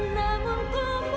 ya strip ya ayang